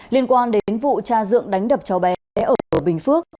liên quan đến vụ cha dượng đánh đập cháu bé ở bình phước